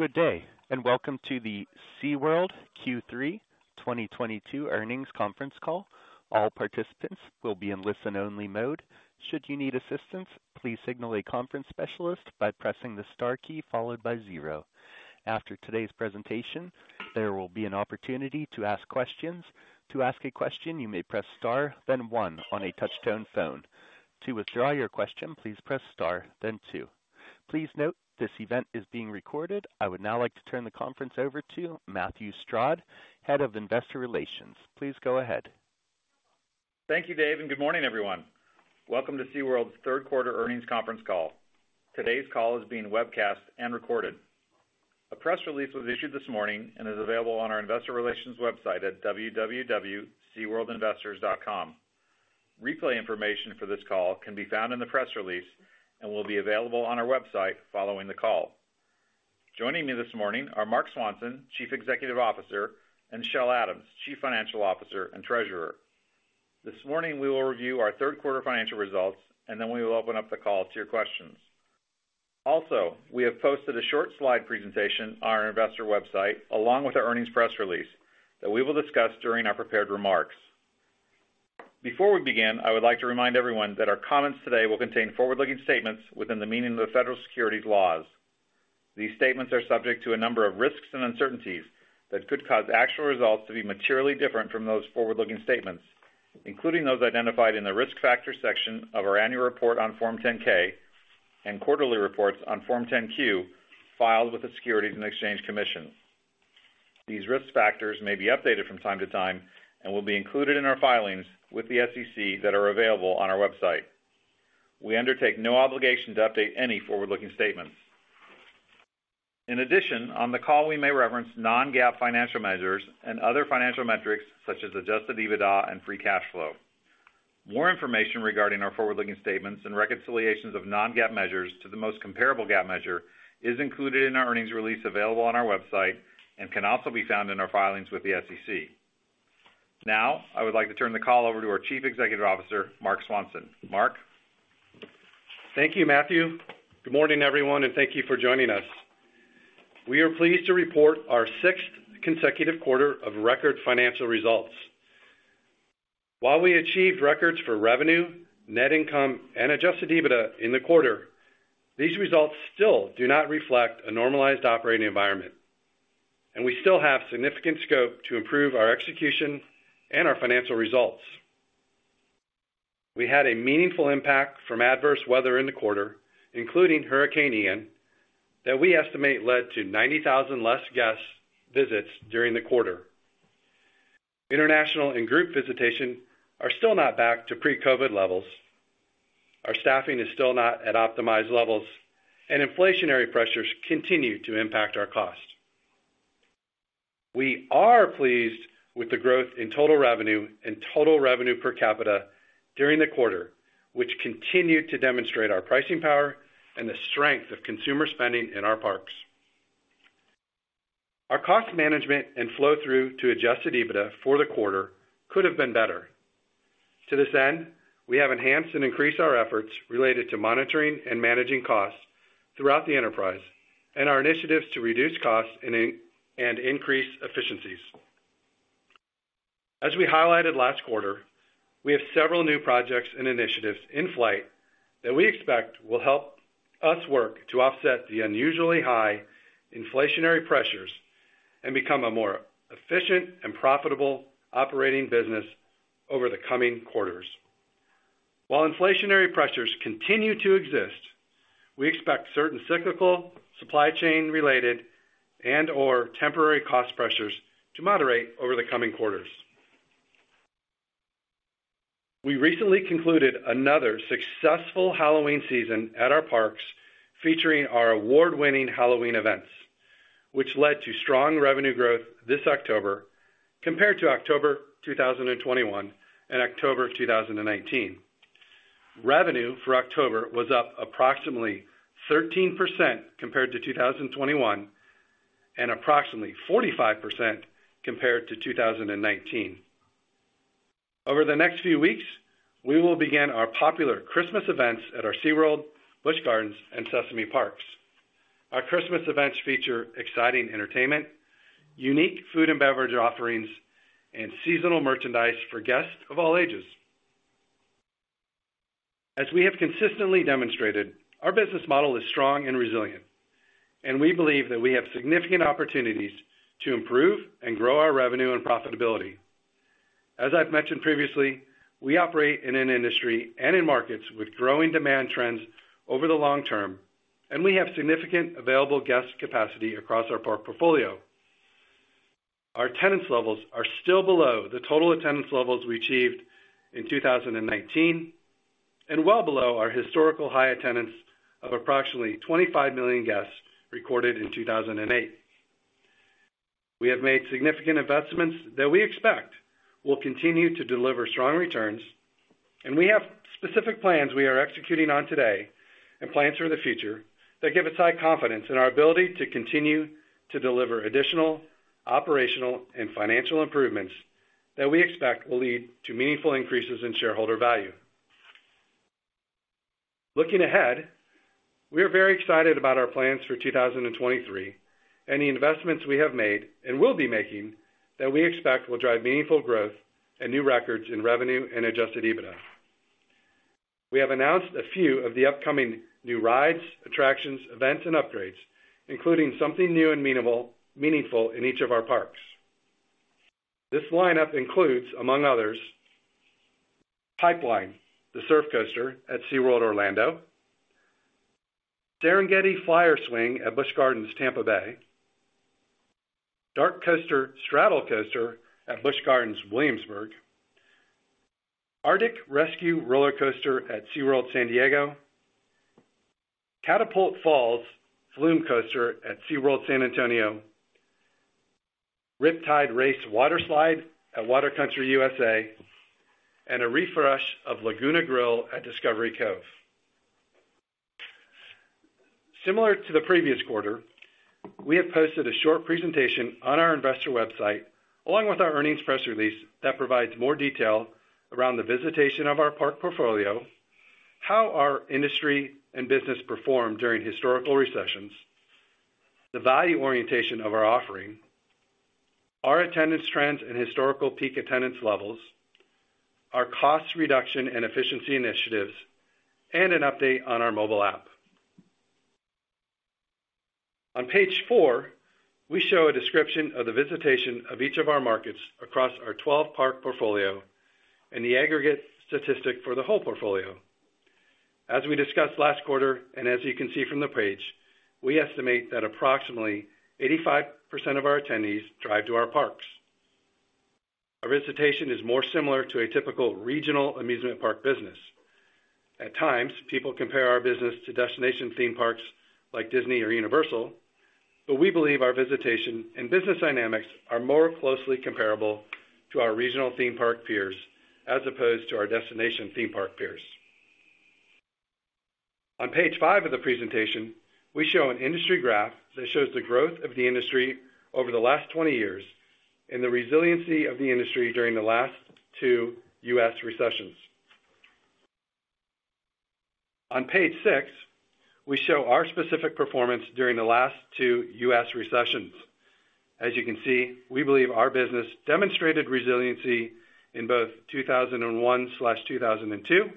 Good day, and welcome to the SeaWorld Q3 2022 earnings conference call. All participants will be in listen-only mode. Should you need assistance, please signal a conference specialist by pressing the star key followed by zero. After today's presentation, there will be an opportunity to ask questions. To ask a question, you may press star, then one on a touch-tone phone. To withdraw your question, please press star then two. Please note this event is being recorded. I would now like to turn the conference over to Matthew Stroud, Head of Investor Relations. Please go ahead. Thank you, Dave, and good morning, everyone. Welcome to SeaWorld's third quarter earnings conference call. Today's call is being webcast and recorded. A press release was issued this morning and is available on our investor relations website at www.seaworldinvestors.com. Replay information for this call can be found in the press release and will be available on our website following the call. Joining me this morning are Marc Swanson, Chief Executive Officer, and Michelle Adams, Chief Financial Officer and Treasurer. This morning, we will review our third quarter financial results, and then we will open up the call to your questions. Also, we have posted a short slide presentation on our investor website along with our earnings press release that we will discuss during our prepared remarks. Before we begin, I would like to remind everyone that our comments today will contain forward-looking statements within the meaning of the federal securities laws. These statements are subject to a number of risks and uncertainties that could cause actual results to be materially different from those forward-looking statements, including those identified in the Risk Factors section of our annual report on Form 10-K and quarterly reports on Form 10-Q filed with the Securities and Exchange Commission. These risk factors may be updated from time to time and will be included in our filings with the SEC that are available on our website. We undertake no obligation to update any forward-looking statements. In addition, on the call, we may reference non-GAAP financial measures and other financial metrics such as adjusted EBITDA and free cash flow. More information regarding our forward-looking statements and reconciliations of non-GAAP measures to the most comparable GAAP measure is included in our earnings release available on our website and can also be found in our filings with the SEC. Now, I would like to turn the call over to our Chief Executive Officer, Marc Swanson. Marc? Thank you, Matthew. Good morning, everyone, and thank you for joining us. We are pleased to report our sixth consecutive quarter of record financial results. While we achieved records for revenue, net income, and adjusted EBITDA in the quarter, these results still do not reflect a normalized operating environment, and we still have significant scope to improve our execution and our financial results. We had a meaningful impact from adverse weather in the quarter, including Hurricane Ian, that we estimate led to 90,000 less guest visits during the quarter. International and group visitation are still not back to pre-COVID levels. Our staffing is still not at optimized levels, and inflationary pressures continue to impact our cost. We are pleased with the growth in total revenue and total revenue per capita during the quarter, which continued to demonstrate our pricing power and the strength of consumer spending in our parks. Our cost management and flow-through to adjusted EBITDA for the quarter could have been better. To this end, we have enhanced and increased our efforts related to monitoring and managing costs throughout the enterprise and our initiatives to reduce costs and increase efficiencies. As we highlighted last quarter, we have several new projects and initiatives in flight that we expect will help us work to offset the unusually high inflationary pressures and become a more efficient and profitable operating business over the coming quarters. While inflationary pressures continue to exist, we expect certain cyclical, supply chain-related and/or temporary cost pressures to moderate over the coming quarters. We recently concluded another successful Halloween season at our parks featuring our award-winning Halloween events, which led to strong revenue growth this October compared to October 2021 and October 2019. Revenue for October was up approximately 13% compared to 2021, and approximately 45% compared to 2019. Over the next few weeks, we will begin our popular Christmas events at our SeaWorld, Busch Gardens, and Sesame Place parks. Our Christmas events feature exciting entertainment, unique food and beverage offerings, and seasonal merchandise for guests of all ages. As we have consistently demonstrated, our business model is strong and resilient, and we believe that we have significant opportunities to improve and grow our revenue and profitability. As I've mentioned previously, we operate in an industry and in markets with growing demand trends over the long term, and we have significant available guest capacity across our park portfolio. Our attendance levels are still below the total attendance levels we achieved in 2019 and well below our historical high attendance of approximately 25 million guests recorded in 2008. We have made significant investments that we expect will continue to deliver strong returns, and we have specific plans we are executing on today and plans for the future that give us high confidence in our ability to continue to deliver additional operational and financial improvements that we expect will lead to meaningful increases in shareholder value. Looking ahead, we are very excited about our plans for 2023 and the investments we have made and will be making that we expect will drive meaningful growth and new records in revenue and adjusted EBITDA. We have announced a few of the upcoming new rides, attractions, events, and upgrades, including something new and meaningful in each of our parks. This lineup includes, among others, Pipeline, the surf coaster at SeaWorld Orlando, Serengeti Flyer swing at Busch Gardens Tampa Bay, DarKoaster straddle coaster at Busch Gardens Williamsburg, Arctic Rescue roller coaster at SeaWorld San Diego, Catapult Falls flume coaster at SeaWorld San Antonio, Riptide Race water slide at Water Country USA, and a refresh of Laguna Grill at Discovery Cove. Similar to the previous quarter, we have posted a short presentation on our investor website, along with our earnings press release that provides more detail around the visitation of our park portfolio, how our industry and business performed during historical recessions, the value orientation of our offering, our attendance trends and historical peak attendance levels, our cost reduction and efficiency initiatives, and an update on our mobile app. On page four, we show a description of the visitation of each of our markets across our 12-park portfolio and the aggregate statistic for the whole portfolio. As we discussed last quarter, and as you can see from the page, we estimate that approximately 85% of our attendees drive to our parks. Our visitation is more similar to a typical regional amusement park business. At times, people compare our business to destination theme parks like Disney or Universal, but we believe our visitation and business dynamics are more closely comparable to our regional theme park peers, as opposed to our destination theme park peers. On page five of the presentation, we show an industry graph that shows the growth of the industry over the last 20 years and the resiliency of the industry during the last two U.S. recessions. On page six, we show our specific performance during the last two U.S. recessions. As you can see, we believe our business demonstrated resiliency in both 2001/2002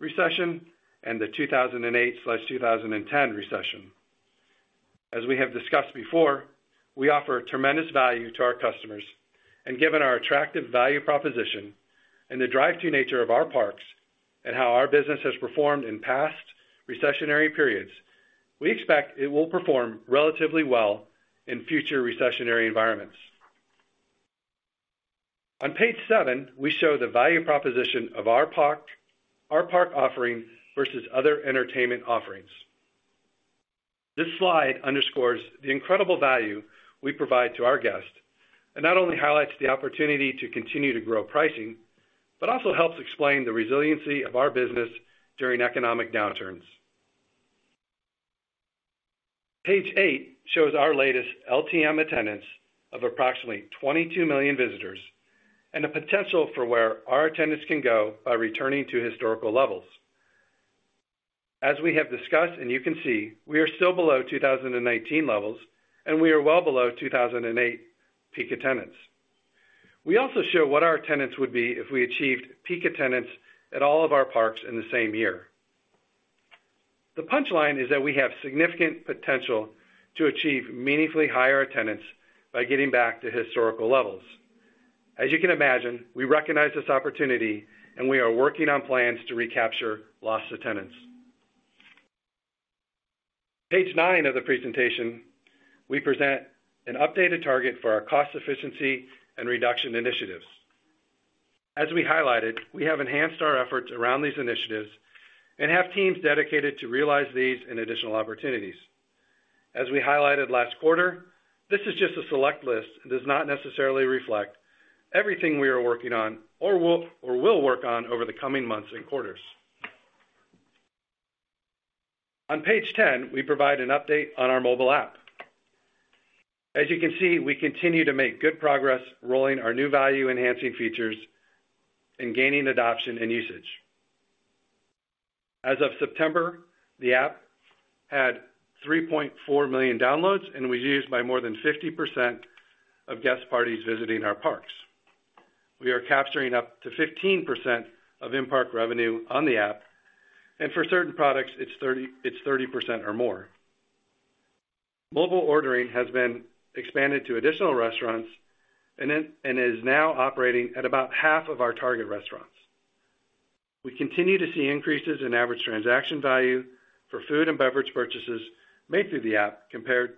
recession and the 2008/2010 recession. As we have discussed before, we offer tremendous value to our customers. Given our attractive value proposition and the drive-to nature of our parks and how our business has performed in past recessionary periods, we expect it will perform relatively well in future recessionary environments. On page seven, we show the value proposition of our park, our park offering versus other entertainment offerings. This slide underscores the incredible value we provide to our guests, and not only highlights the opportunity to continue to grow pricing, but also helps explain the resiliency of our business during economic downturns. Page eight shows our latest LTM attendance of approximately 22 million visitors and the potential for where our attendance can go by returning to historical levels. As we have discussed, and you can see, we are still below 2019 levels, and we are well below 2008 peak attendance. We also show what our attendance would be if we achieved peak attendance at all of our parks in the same year. The punchline is that we have significant potential to achieve meaningfully higher attendance by getting back to historical levels. As you can imagine, we recognize this opportunity, and we are working on plans to recapture lost attendance. Page nine of the presentation. We present an updated target for our cost efficiency and reduction initiatives. As we highlighted, we have enhanced our efforts around these initiatives and have teams dedicated to realize these and additional opportunities. As we highlighted last quarter, this is just a select list and does not necessarily reflect everything we are working on or will work on over the coming months and quarters. On page 10, we provide an update on our mobile app. As you can see, we continue to make good progress rolling our new value-enhancing features and gaining adoption and usage. As of September, the app had 3.4 million downloads and was used by more than 50% of guest parties visiting our parks. We are capturing up to 15% of in-park revenue on the app, and for certain products, it's 30% or more. Mobile ordering has been expanded to additional restaurants and is now operating at about half of our target restaurants. We continue to see increases in average transaction value for food and beverage purchases made through the app compared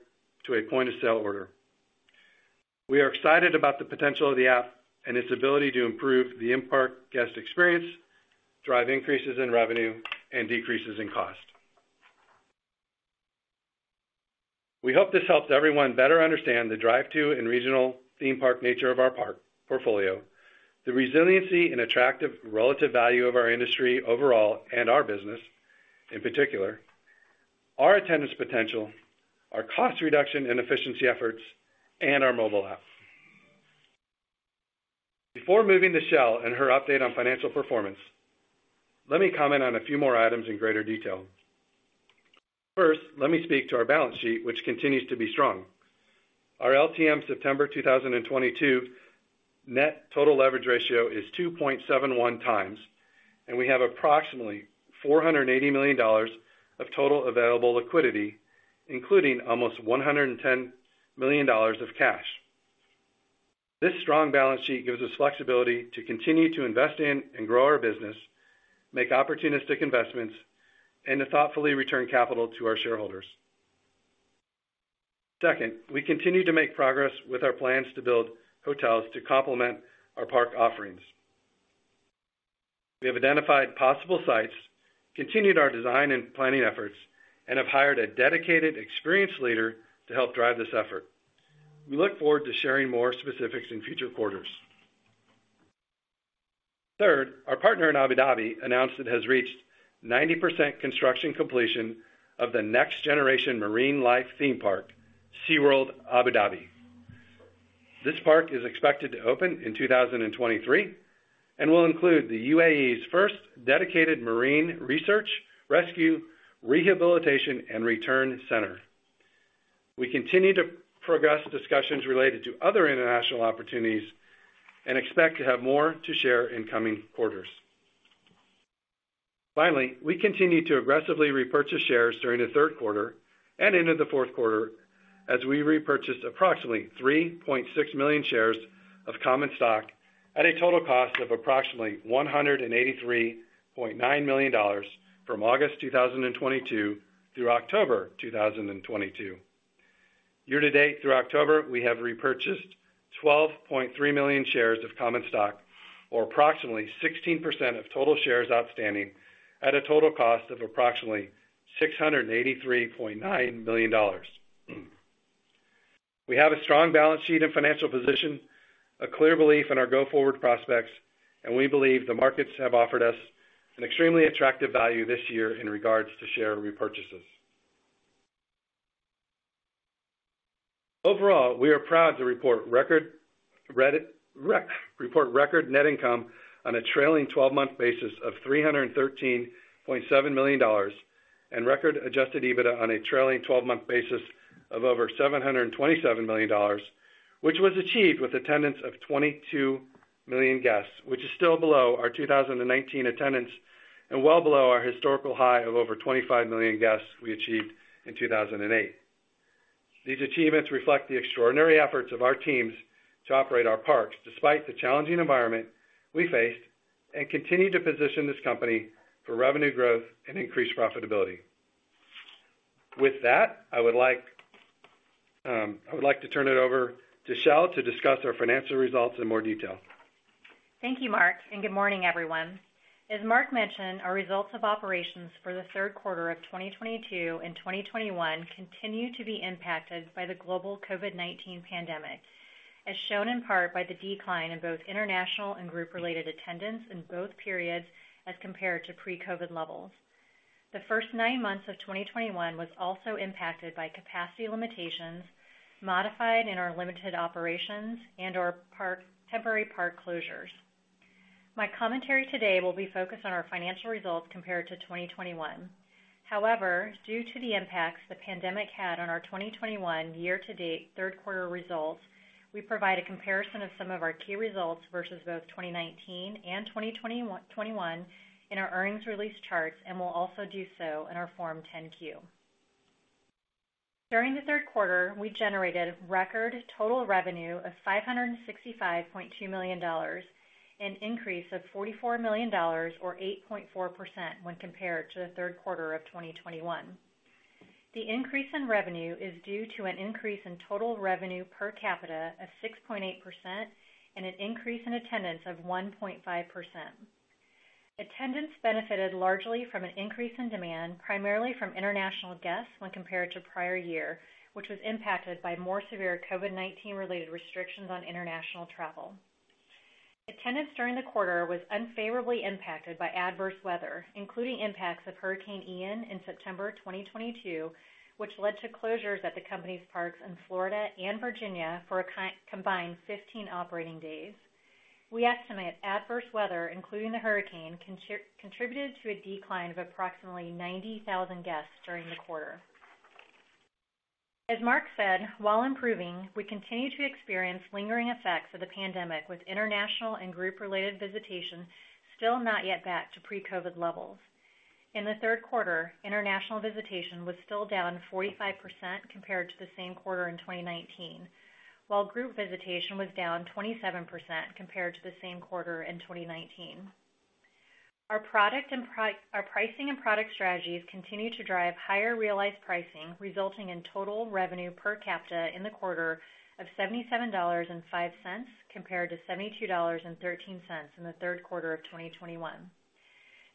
to a point-of-sale order. We are excited about the potential of the app and its ability to improve the in-park guest experience, drive increases in revenue, and decreases in cost. We hope this helps everyone better understand the drive-to and regional theme park nature of our park portfolio, the resiliency and attractive relative value of our industry overall and our business in particular, our attendance potential, our cost reduction and efficiency efforts, and our mobile app. Before moving to Michelle and her update on financial performance, let me comment on a few more items in greater detail. First, let me speak to our balance sheet, which continues to be strong. Our LTM September 2022 net total leverage ratio is 2.71 times, and we have approximately $480 million of total available liquidity, including almost $110 million of cash. This strong balance sheet gives us flexibility to continue to invest in and grow our business, make opportunistic investments, and to thoughtfully return capital to our shareholders. Second, we continue to make progress with our plans to build hotels to complement our park offerings. We have identified possible sites, continued our design and planning efforts, and have hired a dedicated, experienced leader to help drive this effort. We look forward to sharing more specifics in future quarters. Third, our partner in Abu Dhabi announced it has reached 90% construction completion of the next generation marine life theme park, SeaWorld Abu Dhabi. This park is expected to open in 2023 and will include the UAE's first dedicated marine research, rescue, rehabilitation, and return center. We continue to progress discussions related to other international opportunities and expect to have more to share in coming quarters. Finally, we continue to aggressively repurchase shares during the third quarter and into the fourth quarter as we repurchased approximately 3.6 million shares of common stock at a total cost of approximately $183.9 million from August 2022 through October 2022. Year to date through October, we have repurchased 12.3 million shares of common stock, or approximately 16% of total shares outstanding at a total cost of approximately $683.9 million. We have a strong balance sheet and financial position, a clear belief in our go-forward prospects, and we believe the markets have offered us an extremely attractive value this year in regards to share repurchases. Overall, we are proud to report record net income on a trailing twelve-month basis of $313.7 million and record adjusted EBITDA on a trailing twelve-month basis of over $727 million, which was achieved with attendance of 22 million guests, which is still below our 2019 attendance and well below our historical high of over 25 million guests we achieved in 2008. These achievements reflect the extraordinary efforts of our teams to operate our parks despite the challenging environment we faced, and continue to position this company for revenue growth and increased profitability. With that, I would like to turn it over to Michelle to discuss our financial results in more detail. Thank you, Marc, and good morning, everyone. As Marc mentioned, our results of operations for the third quarter of 2022 and 2021 continue to be impacted by the global COVID-19 pandemic, as shown in part by the decline in both international and group-related attendance in both periods as compared to pre-COVID levels. The first nine months of 2021 was also impacted by capacity limitations modified in our limited operations and/or temporary park closures. My commentary today will be focused on our financial results compared to 2021. However, due to the impacts the pandemic had on our 2021 year-to-date third quarter results, we provide a comparison of some of our key results versus both 2019 and 2021 in our earnings release charts, and we'll also do so in our Form 10-Q. During the third quarter, we generated record total revenue of $565.2 million, an increase of $44 million or 8.4% when compared to the third quarter of 2021. The increase in revenue is due to an increase in total revenue per capita of 6.8% and an increase in attendance of 1.5%. Attendance benefited largely from an increase in demand, primarily from international guests when compared to prior year, which was impacted by more severe COVID-19 related restrictions on international travel. Attendance during the quarter was unfavorably impacted by adverse weather, including impacts of Hurricane Ian in September 2022, which led to closures at the company's parks in Florida and Virginia for a combined 15 operating days. We estimate adverse weather, including the hurricane, contributed to a decline of approximately 90,000 guests during the quarter. As Marc said, while improving, we continue to experience lingering effects of the pandemic, with international and group-related visitation still not yet back to pre-COVID levels. In the third quarter, international visitation was still down 45% compared to the same quarter in 2019, while group visitation was down 27% compared to the same quarter in 2019. Our pricing and product strategies continue to drive higher realized pricing, resulting in total revenue per capita in the quarter of $77.05 compared to $72.13 in the third quarter of 2021.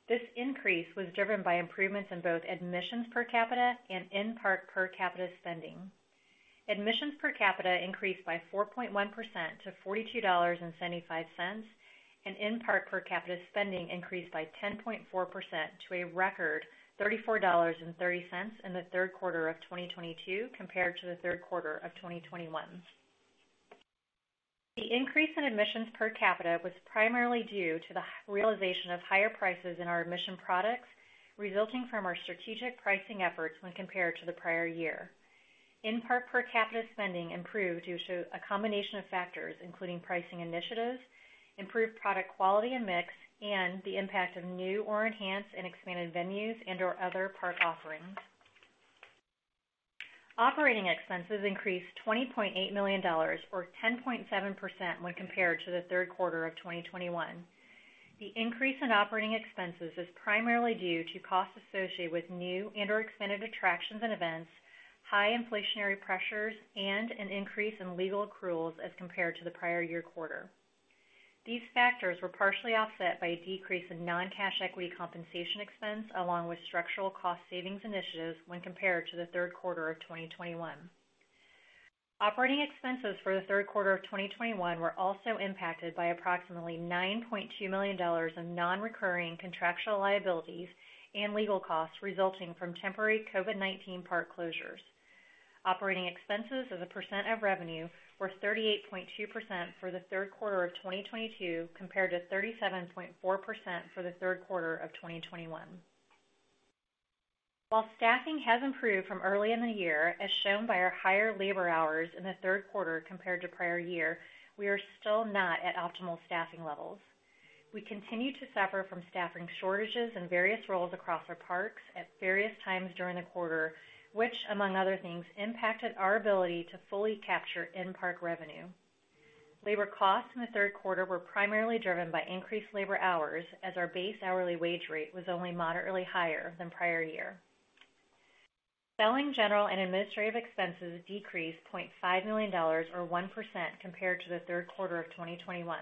This increase was driven by improvements in both admissions per capita and in-park per capita spending. Admissions per capita increased by 4.1% to $42.75. In-park per capita spending increased by 10.4% to a record $34.30 in the third quarter of 2022 compared to the third quarter of 2021. The increase in admissions per capita was primarily due to the realization of higher prices in our admission products, resulting from our strategic pricing efforts when compared to the prior year. In-park per capita spending improved due to a combination of factors, including pricing initiatives, improved product quality and mix, and the impact of new or enhanced and expanded venues and/or other park offerings. Operating expenses increased $20.8 million, or 10.7% when compared to the third quarter of 2021. The increase in operating expenses is primarily due to costs associated with new and/or expanded attractions and events, high inflationary pressures, and an increase in legal accruals as compared to the prior year quarter. These factors were partially offset by a decrease in non-cash equity compensation expense along with structural cost savings initiatives when compared to the third quarter of 2021. Operating expenses for the third quarter of 2021 were also impacted by approximately $9.2 million of non-recurring contractual liabilities and legal costs resulting from temporary COVID-19 park closures. Operating expenses as a percent of revenue were 38.2% for the third quarter of 2022, compared to 37.4% for the third quarter of 2021. While staffing has improved from early in the year, as shown by our higher labor hours in the third quarter compared to prior year, we are still not at optimal staffing levels. We continue to suffer from staffing shortages in various roles across our parks at various times during the quarter, which, among other things, impacted our ability to fully capture in-park revenue. Labor costs in the third quarter were primarily driven by increased labor hours as our base hourly wage rate was only moderately higher than prior year. Selling, general and administrative expenses decreased $0.5 million, or 1% compared to the third quarter of 2021.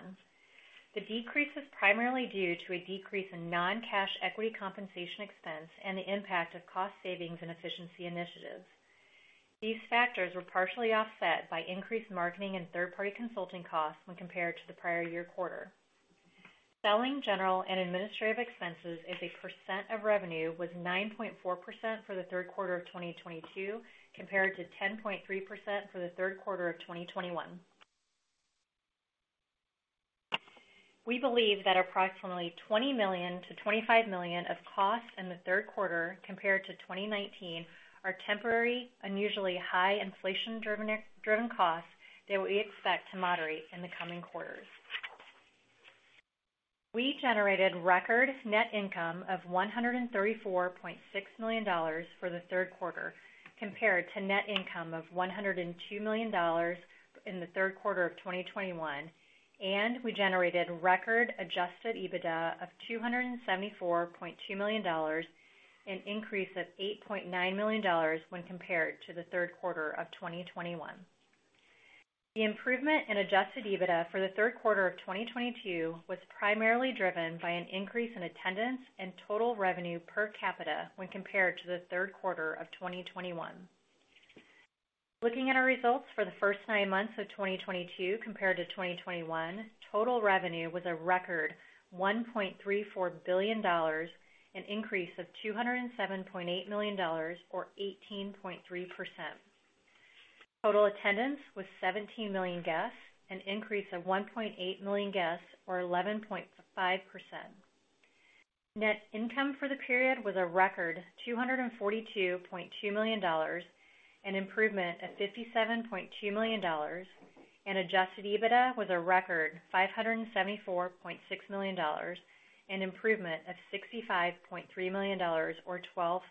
The decrease is primarily due to a decrease in non-cash equity compensation expense and the impact of cost savings and efficiency initiatives. These factors were partially offset by increased marketing and third-party consulting costs when compared to the prior year quarter. Selling, general and administrative expenses as a percent of revenue was 9.4% for the third quarter of 2022, compared to 10.3% for the third quarter of 2021. We believe that approximately $20 million to $25 million of costs in the third quarter compared to 2019 are temporary, unusually high inflation-driven costs that we expect to moderate in the coming quarters. We generated record net income of $134.6 million for the third quarter compared to net income of $102 million in the third quarter of 2021. We generated record adjusted EBITDA of $274.2 million, an increase of $8.9 million when compared to the third quarter of 2021. The improvement in adjusted EBITDA for the third quarter of 2022 was primarily driven by an increase in attendance and total revenue per capita when compared to the third quarter of 2021. Looking at our results for the first nine months of 2022 compared to 2021, total revenue was a record $1.34 billion, an increase of $207.8 million or 18.3%. Total attendance was 17 million guests, an increase of 1.8 million guests or 11.5%. Net income for the period was a record $242.2 million, an improvement of $57.2 million. adjusted EBITDA was a record $574.6 million, an improvement of $65.3 million or 12.8%.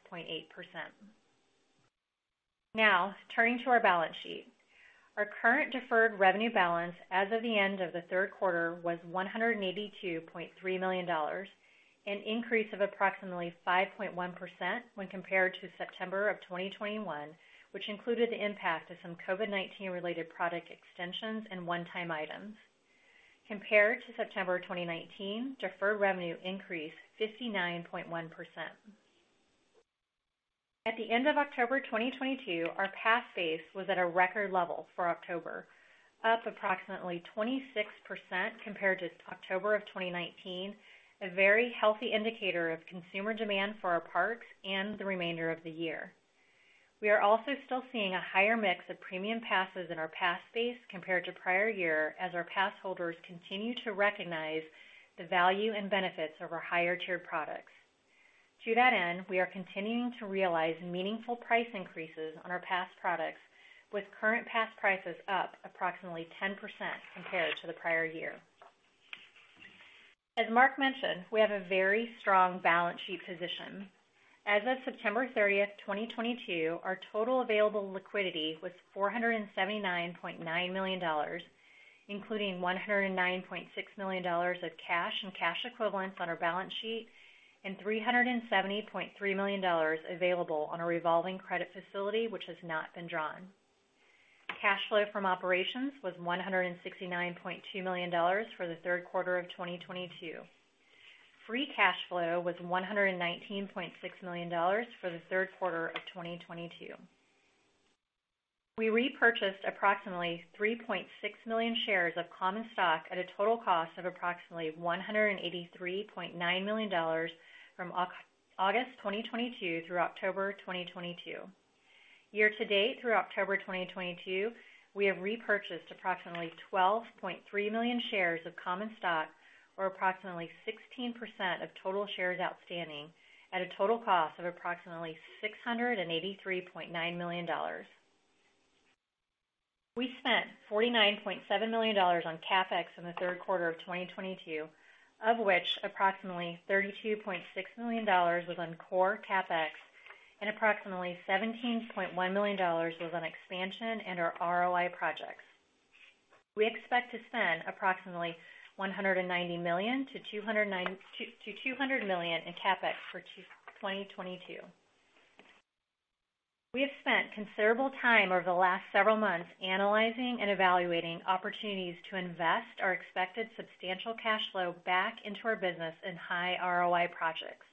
Now, turning to our balance sheet. Our current deferred revenue balance as of the end of the third quarter was $182.3 million, an increase of approximately 5.1% when compared to September 2021, which included the impact of some COVID-19 related product extensions and one-time items. Compared to September 2019, deferred revenue increased 59.1%. At the end of October 2022, our pass base was at a record level for October, up approximately 26% compared to October of 2019, a very healthy indicator of consumer demand for our parks and the remainder of the year. We are also still seeing a higher mix of premium passes in our pass base compared to prior year as our pass holders continue to recognize the value and benefits of our higher-tiered products. To that end, we are continuing to realize meaningful price increases on our pass products, with current pass prices up approximately 10% compared to the prior year. As Marc mentioned, we have a very strong balance sheet position. As of September thirtieth, 2022, our total available liquidity was $479.9 million, including $109.6 million of cash and cash equivalents on our balance sheet and $370.3 million available on a revolving credit facility which has not been drawn. Cash flow from operations was $169.2 million for the third quarter of 2022. Free cash flow was $119.6 million for the third quarter of 2022. We repurchased approximately 3.6 million shares of common stock at a total cost of approximately $183.9 million from August 2022 through October 2022. Year-to-date through October 2022, we have repurchased approximately 12.3 million shares of common stock, or approximately 16% of total shares outstanding at a total cost of approximately $683.9 million. We spent $49.7 million on CapEx in the third quarter of 2022, of which approximately $32.6 million was on core CapEx and approximately $17.1 million was on expansion and our ROI projects. We expect to spend approximately $190 million to $200 million in CapEx for 2022. We have spent considerable time over the last several months analyzing and evaluating opportunities to invest our expected substantial cash flow back into our business in high ROI projects.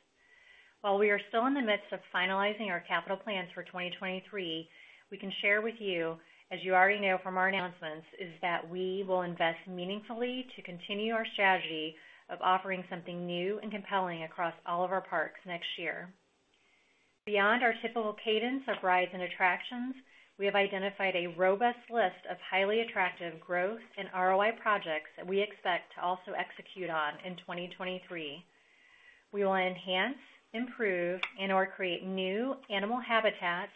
While we are still in the midst of finalizing our capital plans for 2023, we can share with you, as you already know from our announcements, is that we will invest meaningfully to continue our strategy of offering something new and compelling across all of our parks next year. Beyond our typical cadence of rides and attractions, we have identified a robust list of highly attractive growth and ROI projects that we expect to also execute on in 2023. We will enhance, improve, and/or create new animal habitats,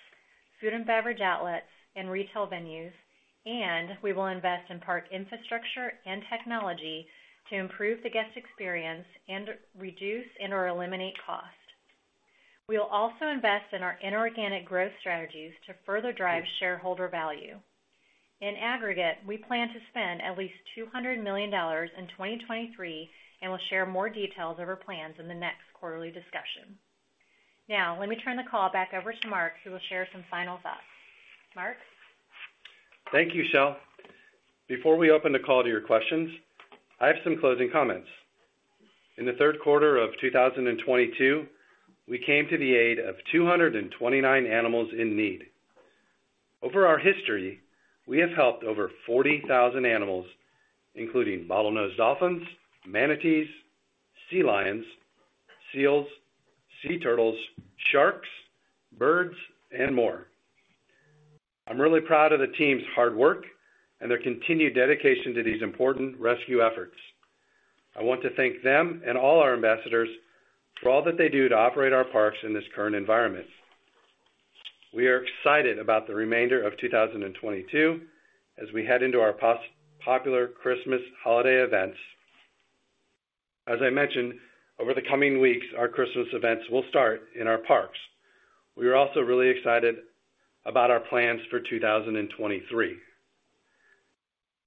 food and beverage outlets, and retail venues, and we will invest in park infrastructure and technology to improve the guest experience and reduce and/or eliminate costs. We will also invest in our inorganic growth strategies to further drive shareholder value. In aggregate, we plan to spend at least $200 million in 2023, and we'll share more details of our plans in the next quarterly discussion. Now, let me turn the call back over to Marc, who will share some final thoughts. Marc? Thank you, Michelle. Before we open the call to your questions, I have some closing comments. In the third quarter of 2022, we came to the aid of 229 animals in need. Over our history, we have helped over 40,000 animals, including bottlenose dolphins, manatees, sea lions, seals, sea turtles, sharks, birds, and more. I'm really proud of the team's hard work and their continued dedication to these important rescue efforts. I want to thank them and all our ambassadors for all that they do to operate our parks in this current environment. We are excited about the remainder of 2022 as we head into our popular Christmas holiday events. As I mentioned, over the coming weeks, our Christmas events will start in our parks. We are also really excited about our plans for 2023.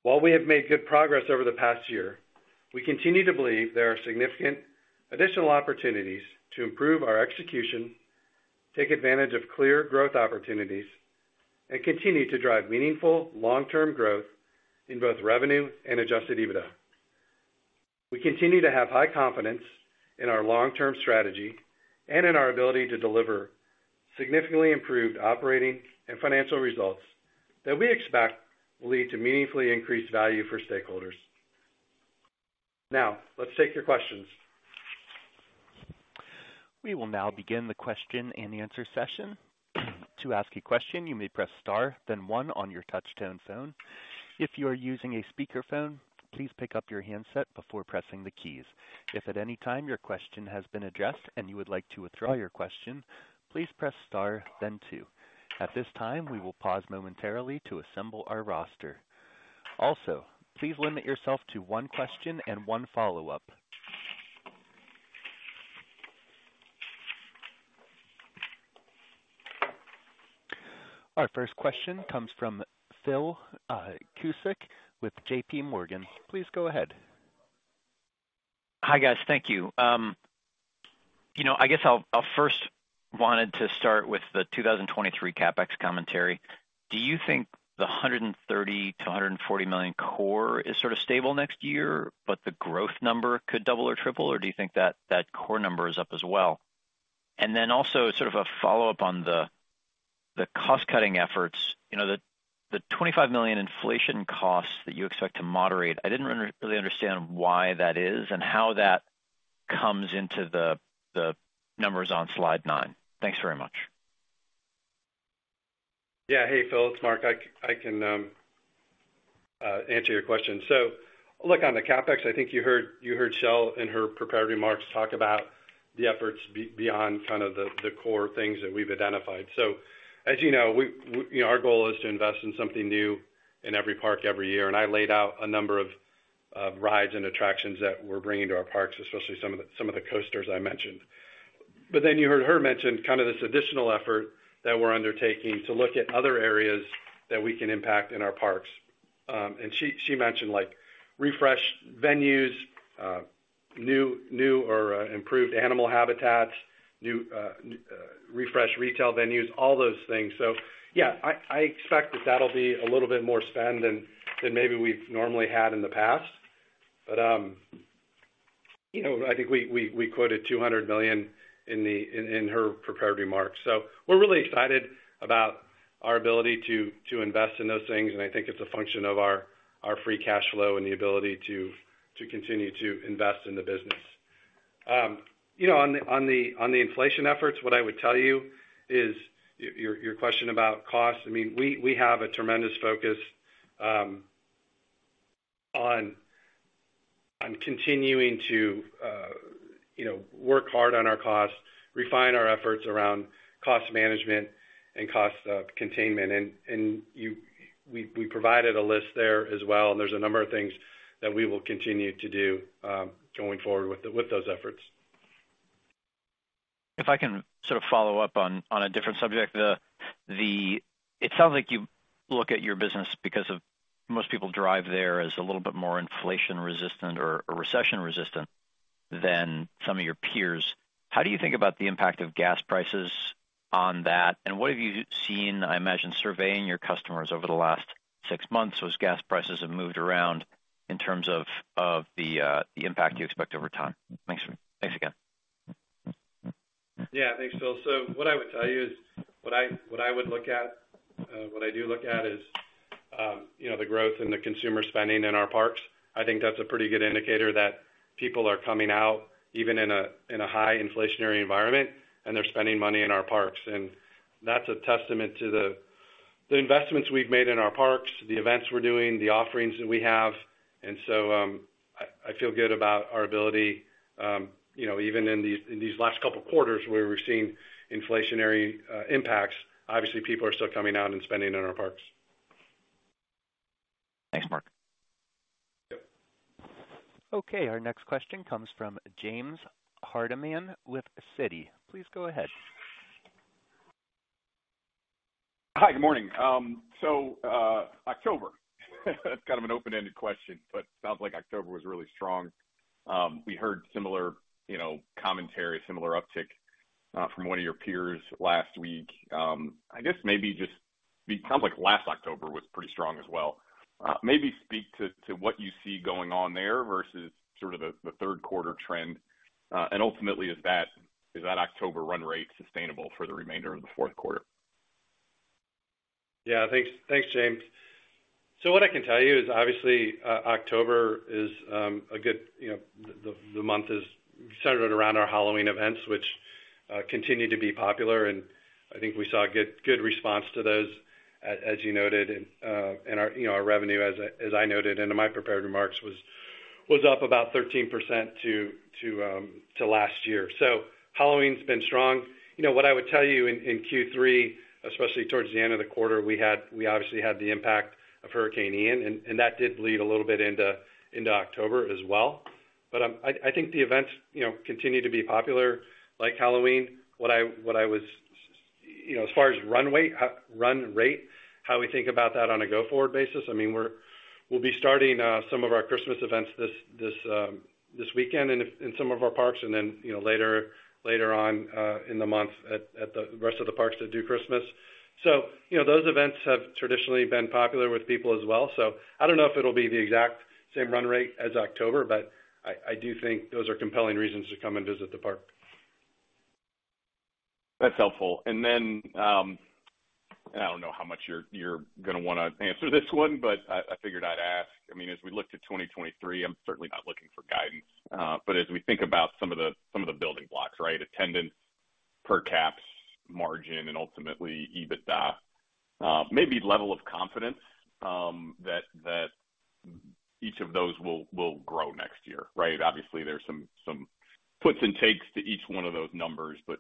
While we have made good progress over the past year, we continue to believe there are significant additional opportunities to improve our execution, take advantage of clear growth opportunities, and continue to drive meaningful long-term growth in both revenue and adjusted EBITDA. We continue to have high confidence in our long-term strategy and in our ability to deliver significantly improved operating and financial results that we expect will lead to meaningfully increased value for stakeholders. Now, let's take your questions. We will now begin the question-and-answer session. To ask a question, you may press star then one on your touch-tone phone. If you are using a speakerphone, please pick up your handset before pressing the keys. If at any time your question has been addressed and you would like to withdraw your question, please press star then two. At this time, we will pause momentarily to assemble our roster. Also, please limit yourself to one question and one follow-up. Our first question comes from Phil Cusick with J.P. Morgan. Please go ahead. Hi, guys. Thank you. You know, I guess I'll first wanted to start with the 2023 CapEx commentary. Do you think the $130 million to $140 million core is sort of stable next year, but the growth number could double or triple, or do you think that core number is up as well? Also sort of a follow-up on the cost-cutting efforts. You know, the $25 million inflation costs that you expect to moderate, I didn't really understand why that is and how that comes into the numbers on slide nine. Thanks very much. Yeah. Hey, Phil, it's Marc. I can answer your question. Look on the CapEx, I think you heard Michelle in her prepared remarks talk about the efforts beyond kind of the core things that we've identified. As you know, we you know, our goal is to invest in something new in every park every year, and I laid out a number of rides and attractions that we're bringing to our parks, especially some of the coasters I mentioned. But then you heard her mention kind of this additional effort that we're undertaking to look at other areas that we can impact in our parks. And she mentioned like refresh venues, new or improved animal habitats, new refresh retail venues, all those things. Yeah, I expect that that'll be a little bit more spend than maybe we've normally had in the past. You know, I think we quoted $200 million in her prepared remarks. We're really excited about our ability to invest in those things, and I think it's a function of our free cash flow and the ability to continue to invest in the business. You know, on the inflation efforts, what I would tell you is your question about cost. I mean, we have a tremendous focus on continuing to you know, work hard on our costs, refine our efforts around cost management and cost containment. We provided a list there as well, and there's a number of things that we will continue to do, going forward with those efforts. If I can sort of follow up on a different subject. It sounds like you look at your business because most people drive there as a little bit more inflation resistant or recession resistant than some of your peers. How do you think about the impact of gas prices on that? What have you seen, I imagine, surveying your customers over the last six months as gas prices have moved around in terms of the impact you expect over time? Thanks. Thanks again. Yeah. Thanks, Phil. What I would tell you is what I do look at is you know the growth in the consumer spending in our parks. I think that's a pretty good indicator that people are coming out even in a high inflationary environment, and they're spending money in our parks. That's a testament to the investments we've made in our parks, the events we're doing, the offerings that we have. I feel good about our ability you know even in these last couple quarters where we've seen inflationary impacts. Obviously, people are still coming out and spending in our parks. Thanks, Marc. Yep. Okay. Our next question comes from James Hardiman with Citigroup. Please go ahead. Hi. Good morning. October, it's kind of an open-ended question, but sounds like October was really strong. We heard similar, you know, commentary, similar uptick, from one of your peers last week. I guess maybe just it sounds like last October was pretty strong as well. Maybe speak to what you see going on there versus sort of the third quarter trend. Ultimately, is that October run rate sustainable for the remainder of the fourth quarter? Yeah. Thanks. Thanks, James. What I can tell you is, obviously, October is a good, you know, the month is centered around our Halloween events, which continue to be popular, and I think we saw a good response to those, as you noted. Our revenue, as I noted in my prepared remarks, was up about 13% to last year. Halloween's been strong. What I would tell you in Q3, especially towards the end of the quarter, we obviously had the impact of Hurricane Ian, and that did bleed a little bit into October as well. I think the events, you know, continue to be popular like Halloween. You know, as far as run rate, how we think about that on a go-forward basis, I mean, we'll be starting some of our Christmas events this weekend in some of our parks and then, you know, later on in the month at the rest of the parks that do Christmas. Those events have traditionally been popular with people as well. I don't know if it'll be the exact same run rate as October, but I do think those are compelling reasons to come and visit the park. That's helpful. I don't know how much you're gonna wanna answer this one, but I figured I'd ask. I mean, as we look to 2023, I'm certainly not looking for guidance. But as we think about some of the building blocks, right? Attendance, per caps, margin, and ultimately EBITDA, maybe level of confidence that each of those will grow next year, right? Obviously, there's some puts and takes to each one of those numbers, but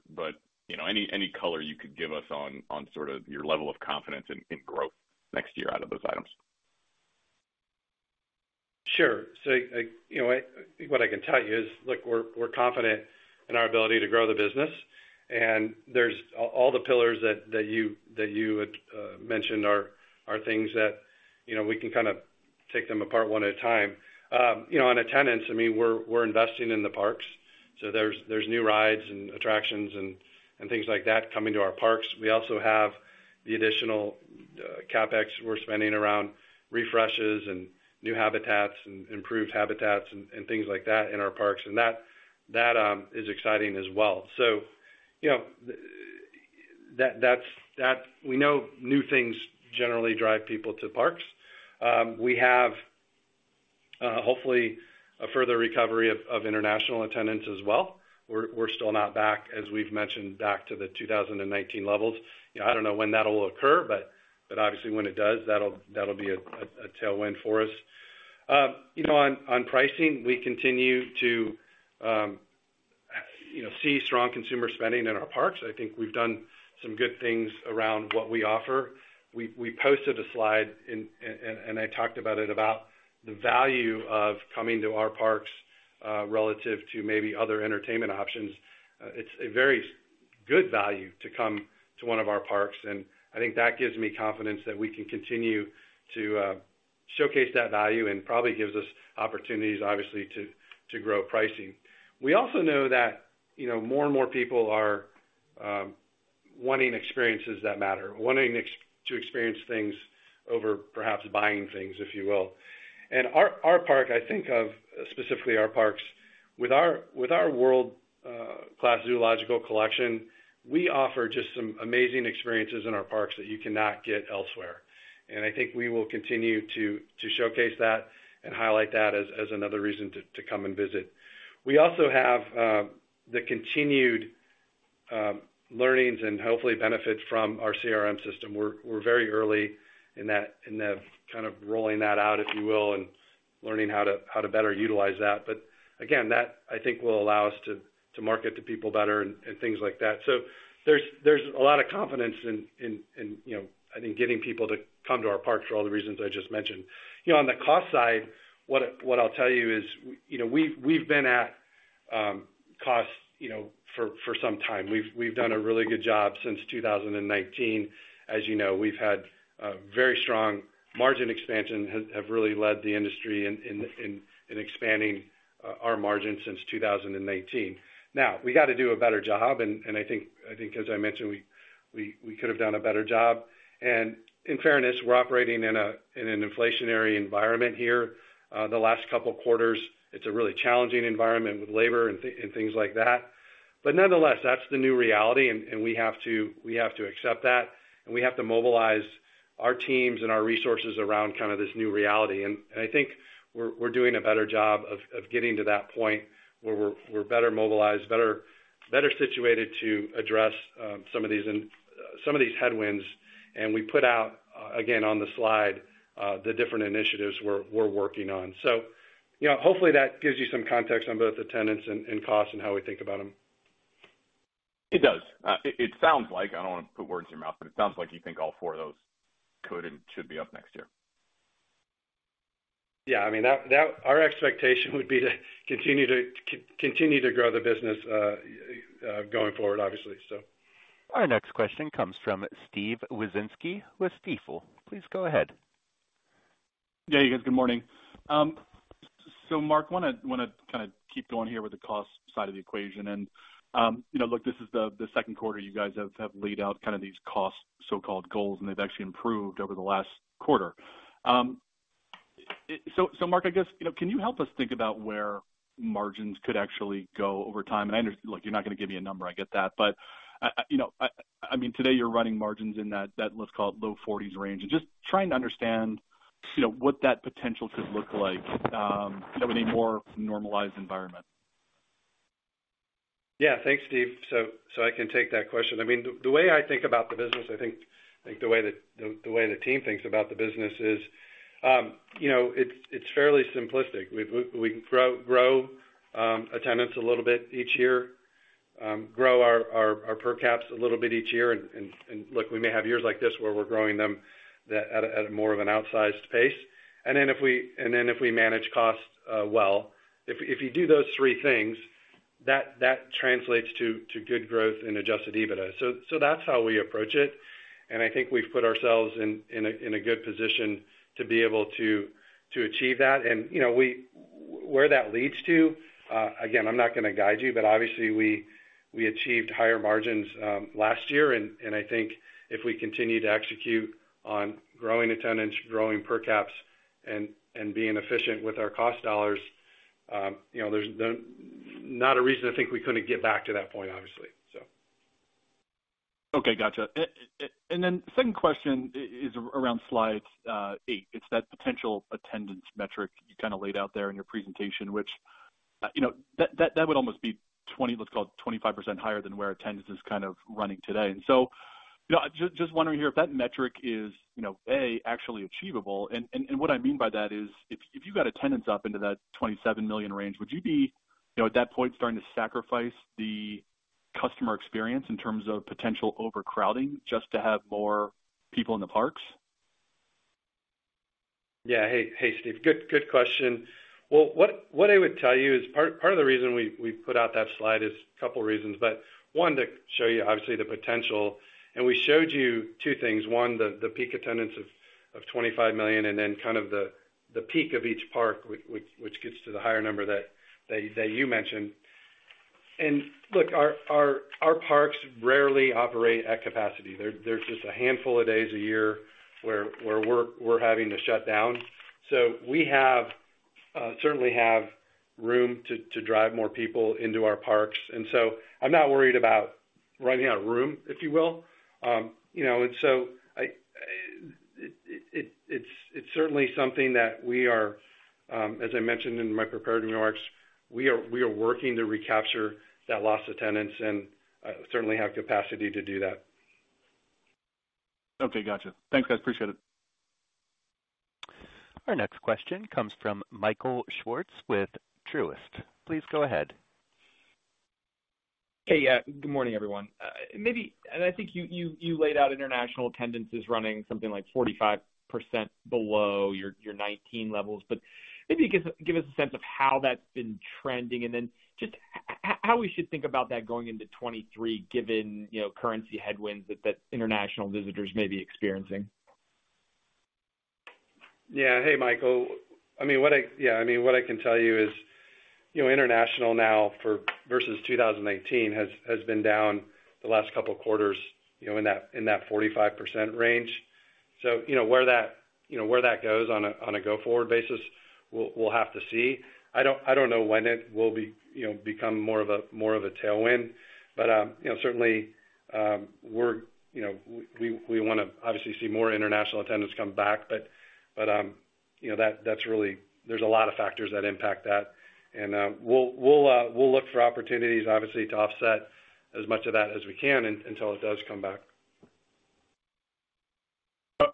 you know, any color you could give us on sort of your level of confidence in growth next year out of those items. Sure. You know, I think what I can tell you is, look, we're confident in our ability to grow the business. There's all the pillars that you had mentioned are things that, you know, we can kind of take them apart one at a time. You know, on attendance, I mean, we're investing in the parks, so there's new rides and attractions and things like that coming to our parks. We also have the additional CapEx we're spending around refreshes and new habitats and improved habitats and things like that in our parks. That is exciting as well. You know, we know new things generally drive people to parks. We have hopefully a further recovery of international attendance as well. We're still not back, as we've mentioned, back to the 2019 levels. You know, I don't know when that'll occur, but obviously when it does, that'll be a tailwind for us. You know, on pricing, we continue to you know, see strong consumer spending in our parks. I think we've done some good things around what we offer. We posted a slide and I talked about it, about the value of coming to our parks, relative to maybe other entertainment options. It's a very good value to come to one of our parks, and I think that gives me confidence that we can continue to showcase that value and probably gives us opportunities, obviously, to grow pricing. We also know that, you know, more and more people are wanting experiences that matter, wanting to experience things over perhaps buying things, if you will. Our parks, specifically our parks, with our world class zoological collection, we offer just some amazing experiences in our parks that you cannot get elsewhere. I think we will continue to showcase that and highlight that as another reason to come and visit. We also have the continued learnings and hopefully benefits from our CRM system. We're very early in that, in the kind of rolling that out, if you will, and learning how to better utilize that. Again, that I think will allow us to market to people better and things like that. There's a lot of confidence in, you know, I think getting people to come to our parks for all the reasons I just mentioned. You know, on the cost side, what I'll tell you is, you know, we've been at costs, you know, for some time. We've done a really good job since 2019. As you know, we've had very strong margin expansion has really led the industry in expanding our margins since 2018. Now, we got to do a better job. I think as I mentioned, we could have done a better job. In fairness, we're operating in an inflationary environment here. The last couple quarters, it's a really challenging environment with labor and things like that. Nonetheless, that's the new reality, and we have to accept that, and we have to mobilize our teams and our resources around kind of this new reality. I think we're doing a better job of getting to that point where we're better mobilized, better situated to address some of these headwinds. We put out, again, on the slide the different initiatives we're working on. You know, hopefully that gives you some context on both attendance and costs and how we think about them. It does. It sounds like, I don't wanna put words in your mouth, but it sounds like you think all four of those could and should be up next year. Yeah. I mean, our expectation would be to continue to grow the business going forward, obviously. So. Our next question comes from Steven Wieczynski with Stifel. Please go ahead. Yeah, you guys. Good morning. Marc, wanna kind of keep going here with the cost side of the equation. You know, look, this is the second quarter you guys have laid out kind of these cost so-called goals, and they've actually improved over the last quarter. So Marc, I guess, you know, can you help us think about where margins could actually go over time? Look, you're not gonna give me a number, I get that. You know, I mean, today you're running margins in that, let's call it low 40s% range. Just trying to understand, you know, what that potential could look like in a more normalized environment. Yeah. Thanks, Steve. I can take that question. I mean, the way I think about the business, I think the way the team thinks about the business is, you know, it's fairly simplistic. We can grow attendance a little bit each year, grow our per caps a little bit each year. Look, we may have years like this where we're growing them at a more of an outsized pace. If we manage costs well. If you do those three things, that translates to good growth in adjusted EBITDA. That's how we approach it. I think we've put ourselves in a good position to be able to achieve that. You know, where that leads to, again, I'm not gonna guide you, but obviously we achieved higher margins last year. I think if we continue to execute on growing attendance, growing per caps and being efficient with our cost dollars, you know, there's not a reason to think we couldn't get back to that point, obviously. Okay. Gotcha. Second question is around slide eight. It's that potential attendance metric you kind of laid out there in your presentation, which, you know, that would almost be 20, let's call it 25% higher than where attendance is kind of running today. Just wondering here if that metric is, you know, A, actually achievable. What I mean by that is if you got attendance up into that 27 million range, would you be, you know, at that point starting to sacrifice the customer experience in terms of potential overcrowding just to have more people in the parks? Hey, Steve. Good question. Well, what I would tell you is part of the reason we put out that slide is a couple reasons, but one, to show you obviously the potential. We showed you two things. One, the peak attendance of 25 million, and then kind of the peak of each park which gets to the higher number that you mentioned. Look, our parks rarely operate at capacity. There's just a handful of days a year where we're having to shut down. We certainly have room to drive more people into our parks. I'm not worried about running out of room, if you will. You know, it's certainly something that we are, as I mentioned in my prepared remarks, working to recapture that loss of attendance, and certainly have capacity to do that. Okay. Gotcha. Thanks, guys. Appreciate it. Our next question comes from Michael Swartz with Truist. Please go ahead. Good morning, everyone. Maybe, and I think you laid out international attendance is running something like 45% below your 2019 levels. Maybe give us a sense of how that's been trending, and then just how we should think about that going into 2023, given, you know, currency headwinds that international visitors may be experiencing. Hey, Michael. I mean, what I can tell you is, you know, international now versus 2018 has been down the last couple of quarters, you know, in that 45% range. You know, where that goes on a go-forward basis, we'll have to see. I don't know when it will be, you know, become more of a tailwind. You know, certainly, we're, you know, we wanna obviously see more international attendance come back. But, you know, that's really. There's a lot of factors that impact that. We'll look for opportunities, obviously, to offset as much of that as we can until it does come back.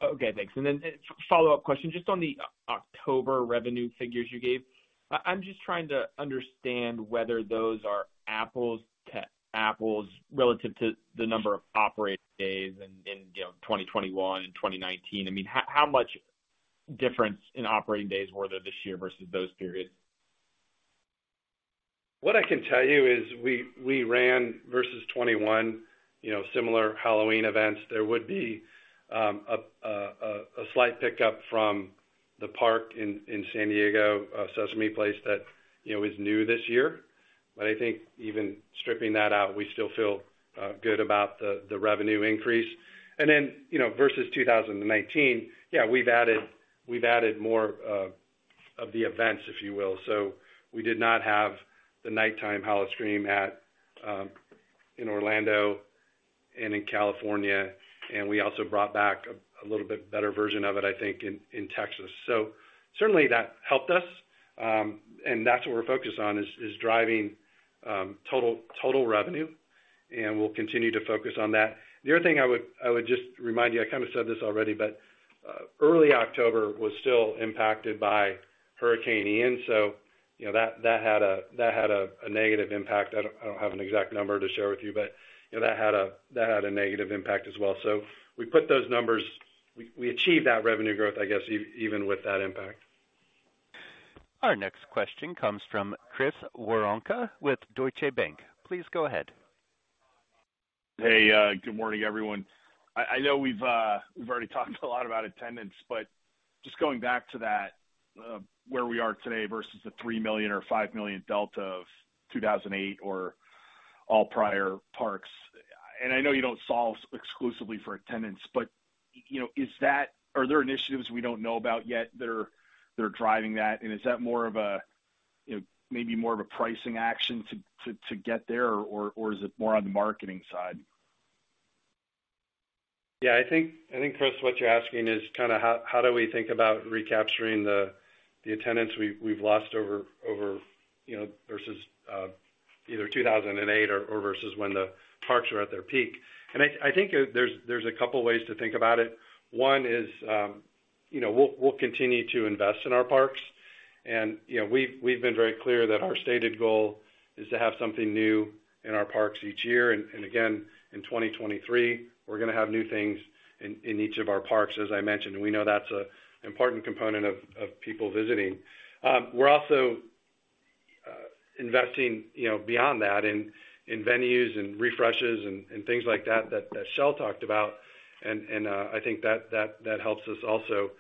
Okay, thanks. A follow-up question, just on the October revenue figures you gave. I'm just trying to understand whether those are apples to apples relative to the number of operating days in, you know, 2021 and 2019. I mean, how much difference in operating days were there this year versus those periods? What I can tell you is we ran versus 2021, you know, similar Halloween events. There would be a slight pickup from the park in San Diego, Sesame Place that, you know, is new this year. I think even stripping that out, we still feel good about the revenue increase. You know, versus 2019, yeah, we've added more of the events, if you will. We did not have the nighttime Howl-O-Scream in Orlando and in California, and we also brought back a little bit better version of it, I think, in Texas. Certainly that helped us, and that's what we're focused on is driving total revenue, and we'll continue to focus on that. The other thing I would just remind you. I kind of said this already, but early October was still impacted by Hurricane Ian, so you know, that had a negative impact. I don't have an exact number to share with you, but you know, that had a negative impact as well. We achieved that revenue growth, I guess, even with that impact. Our next question comes from Chris Woronka with Deutsche Bank. Please go ahead. Hey, good morning, everyone. I know we've already talked a lot about attendance, but just going back to that, where we are today versus the three million or five million delta of 2008 or all prior parks. I know you don't solve exclusively for attendance, but you know, are there initiatives we don't know about yet that are driving that? Is that more of a, you know, maybe more of a pricing action to get there, or is it more on the marketing side? Yeah. I think, Chris, what you're asking is kind of how do we think about recapturing the attendance we've lost over, you know, versus either 2008 or versus when the parks were at their peak. I think there's a couple of ways to think about it. One is, you know, we'll continue to invest in our parks. You know, we've been very clear that our stated goal is to have something new in our parks each year. Again, in 2023, we're gonna have new things in each of our parks, as I mentioned. We know that's an important component of people visiting. We're also investing, you know, beyond that in venues and refreshes and things like that that Michelle talked about, and I think that helps us also.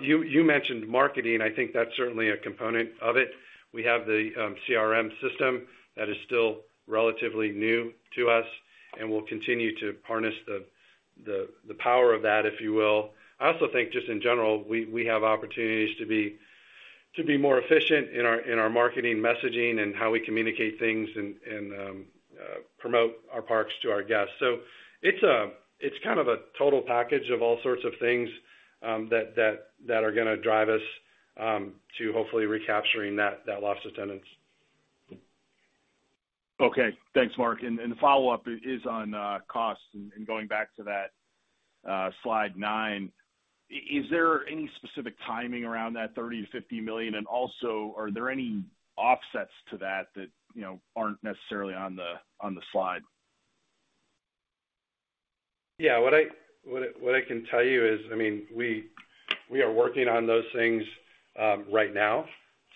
You mentioned marketing. I think that's certainly a component of it. We have the CRM system that is still relatively new to us, and we'll continue to harness the power of that, if you will. I also think just in general, we have opportunities to be more efficient in our marketing messaging and how we communicate things and promote our parks to our guests. It's a total package of all sorts of things that are gonna drive us to hopefully recapturing that lost attendance. Okay. Thanks, Marc. The follow-up is on costs and going back to that slide nine. Is there any specific timing around that $30 million to $50 million? Also, are there any offsets to that you know aren't necessarily on the slide? Yeah. What I can tell you is, I mean, we are working on those things right now.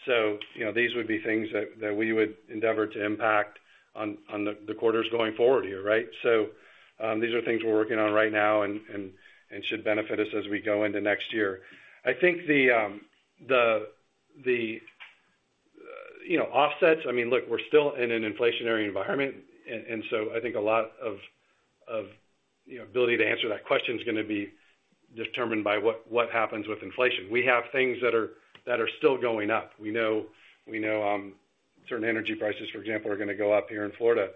You know, these would be things that we would endeavor to impact on the quarters going forward here, right? These are things we're working on right now and should benefit us as we go into next year. I think the you know, offsets, I mean, look, we're still in an inflationary environment. I think a lot of you know, ability to answer that question is gonna be determined by what happens with inflation. We have things that are still going up. We know certain energy prices, for example, are gonna go up here in Florida.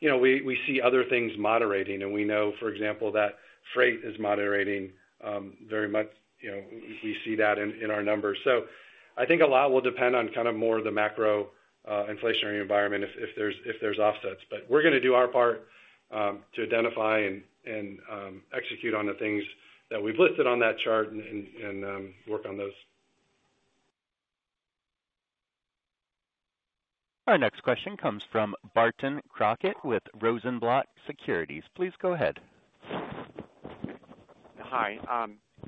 You know, we see other things moderating, and we know, for example, that freight is moderating very much. You know, we see that in our numbers. I think a lot will depend on kind of more the macro inflationary environment if there's offsets. We're gonna do our part to identify and execute on the things that we've listed on that chart and work on those. Our next question comes from Barton Crockett with Rosenblatt Securities. Please go ahead. Hi.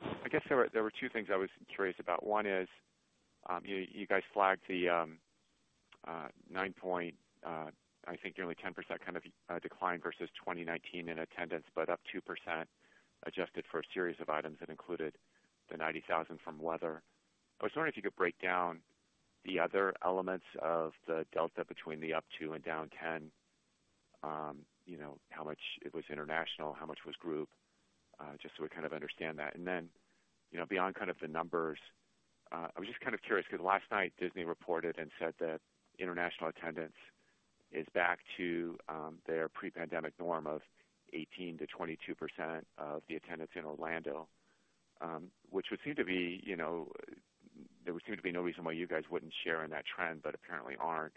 I guess there were two things I was curious about. One is, you guys flagged the, 9%, I think nearly 10% kind of decline versus 2019 in attendance, but up 2% adjusted for a series of items that included the 90,000 from weather. I was wondering if you could break down the other elements of the delta between the up two and down 10. You know, how much it was international, how much was group, just so we kind of understand that. Then, you know, beyond kind of the numbers, I was just kind of curious because last night Disney reported and said that international attendance is back to their pre-pandemic norm of 18% to 22% of the attendance in Orlando. Which would seem to be. There would seem to be no reason why you guys wouldn't share in that trend, but apparently aren't.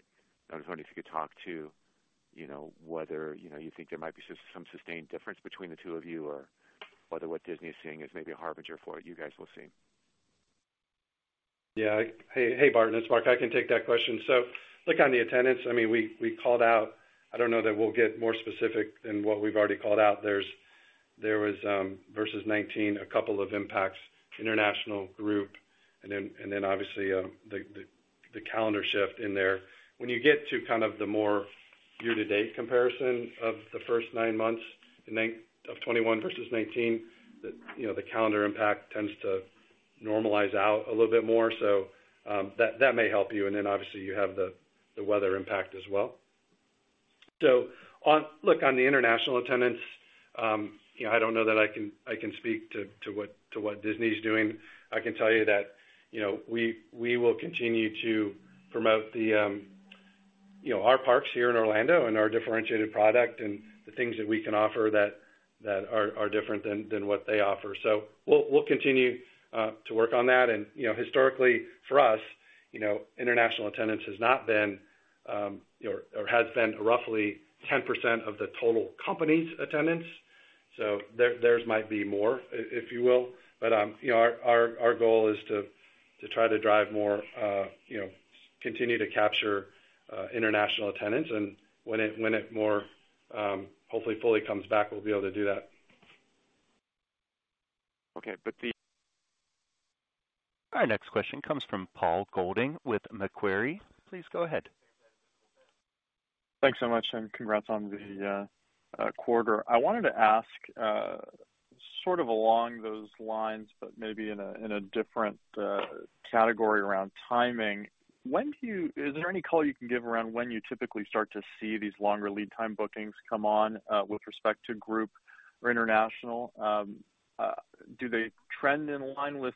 I was wondering if you could talk to, you know, whether, you know, you think there might be some sustained difference between the two of you or whether what Disney is seeing is maybe a harbinger for what you guys will see. Hey, Barton, it's Marc. I can take that question. Look on the attendance. I mean, we called out. I don't know that we'll get more specific than what we've already called out. There was versus 2019, a couple of impacts, international group and then obviously the calendar shift in there. When you get to kind of the more year-to-date comparison of the first nine months of 2021 versus 2019, you know, the calendar impact tends to normalize out a little bit more. That may help you. Then obviously you have the weather impact as well. Look, on the international attendance, you know, I don't know that I can speak to what Disney's doing. I can tell you that, you know, we will continue to promote the, you know, our parks here in Orlando and our differentiated product and the things that we can offer that are different than what they offer. We'll continue to work on that. You know, historically for us, you know, international attendance has not been, or has been roughly 10% of the total company's attendance. Theirs might be more, if you will. You know, our goal is to try to drive more, you know, continue to capture international attendance and when it more hopefully fully comes back, we'll be able to do that. Okay. Our next question comes from Paul Golding with Macquarie. Please go ahead. Thanks so much and congrats on the quarter. I wanted to ask sort of along those lines, but maybe in a different category around timing. Is there any color you can give around when you typically start to see these longer lead time bookings come on with respect to group or international? Do they trend in line with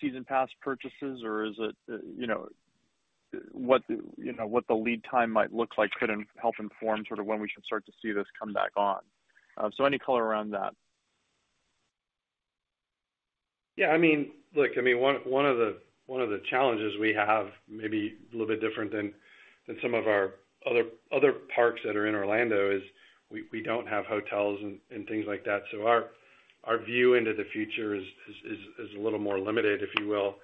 season pass purchases or is it, you know, what the lead time might look like could help inform sort of when we should start to see this come back on? Any color around that. Yeah, I mean, look, I mean, one of the challenges we have maybe a little bit different than some of our other parks that are in Orlando is we don't have hotels and things like that. Our view into the future is a little more limited, if you will.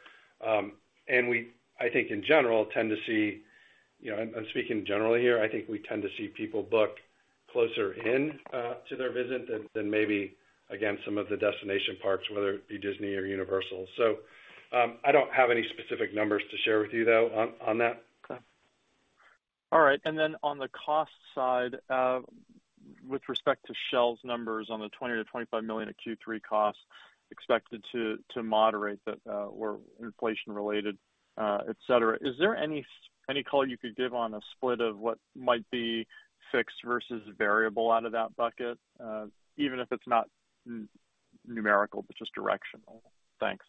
We, I think in general, tend to see, you know, I'm speaking generally here, I think we tend to see people book closer in to their visit than maybe against some of the destination parks, whether it be Disney or Universal. I don't have any specific numbers to share with you though on that. Then on the cost side, with respect to Michelle's numbers on the $20 million to $25 million in Q3 costs expected to moderate that, or inflation related, et cetera. Is there any color you could give on a split of what might be fixed versus variable out of that bucket? Even if it's not numerical, but just directional. Thanks.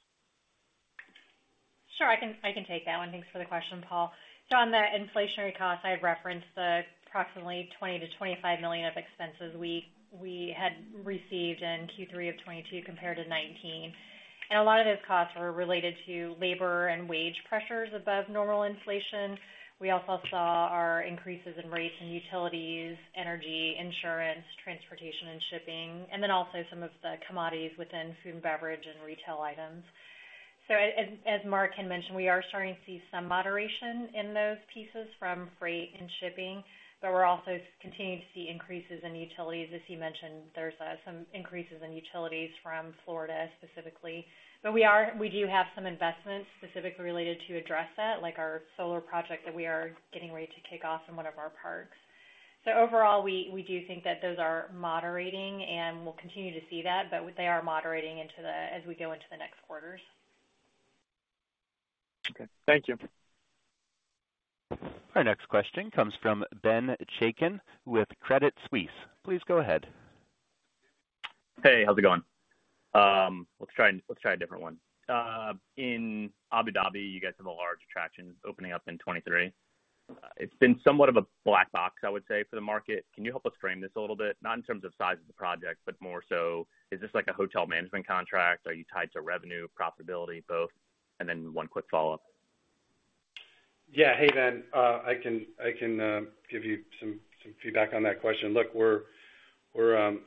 I can take that one. Thanks for the question, Paul. On the inflationary costs, I had referenced the approximately $20 million to $25 million of expenses we had received in Q3 of 2022 compared to 2019. A lot of those costs were related to labor and wage pressures above normal inflation. We also saw our increases in rates and utilities, energy, insurance, transportation and shipping, and then also some of the commodities within food and beverage and retail items. As Marc had mentioned, we are starting to see some moderation in those pieces from freight and shipping, but we're also continuing to see increases in utilities. As he mentioned, there's some increases in utilities from Florida specifically. We do have some investments specifically related to address that, like our solar project that we are getting ready to kick off in one of our parks. Overall, we do think that those are moderating and we'll continue to see that, but they are moderating into as we go into the next quarters. Okay, thank you. Our next question comes from Ben Chaiken with Credit Suisse. Please go ahead. Hey, how's it going? Let's try a different one. In Abu Dhabi, you guys have a large attraction opening up in 2023. It's been somewhat of a black box, I would say, for the market. Can you help us frame this a little bit? Not in terms of size of the project, but more so, is this like a hotel management contract? Are you tied to revenue, profitability, both? One quick follow-up. Yeah. Hey, Ben. I can give you some feedback on that question. Look, we're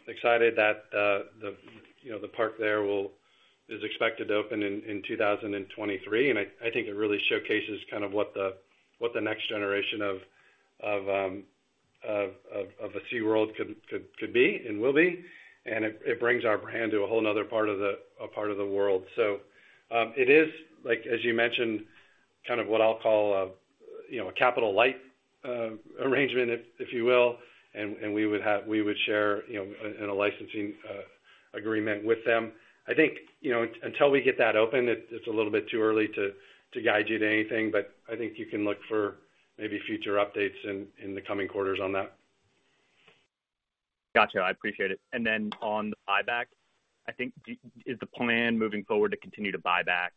excited that, you know, the park there is expected to open in 2023. I think it really showcases kind of what the next generation of a SeaWorld could be and will be. It brings our brand to a whole nother part of the world. It is like, as you mentioned, kind of what I'll call a, you know, a capital light arrangement, if you will. We would share, you know, in a licensing agreement with them. I think, you know, until we get that open, it's a little bit too early to guide you to anything. I think you can look for maybe future updates in the coming quarters on that. Gotcha. I appreciate it. On the buyback, I think is the plan moving forward to continue to buy back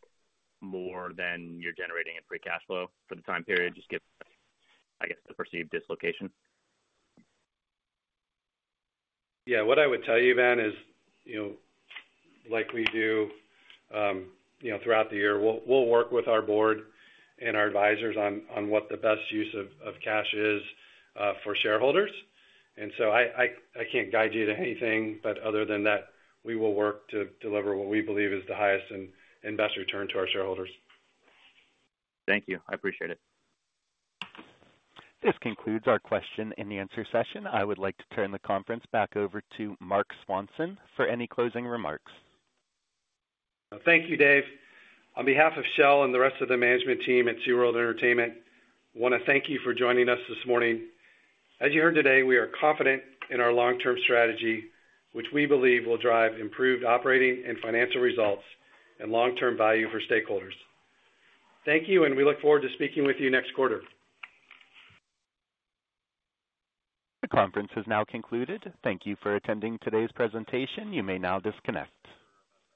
more than you're generating in free cash flow for the time period, just given, I guess, the perceived dislocation? Yeah. What I would tell you, Ben, is, you know, like we do, you know, throughout the year, we'll work with our board and our advisors on what the best use of cash is for shareholders. I can't guide you to anything. Other than that, we will work to deliver what we believe is the highest and best return to our shareholders. Thank you. I appreciate it. This concludes our question and answer session. I would like to turn the conference back over to Marc Swanson for any closing remarks. Thank you, Dave. On behalf of Michelle and the rest of the management team at United Parks & Resorts, I wanna thank you for joining us this morning. As you heard today, we are confident in our long-term strategy, which we believe will drive improved operating and financial results and long-term value for stakeholders. Thank you, and we look forward to speaking with you next quarter. The conference has now concluded. Thank you for attending today's presentation. You may now disconnect.